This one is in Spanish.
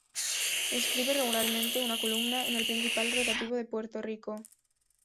Escribe regularmente una columna en el principal rotativo de Puerto Rico.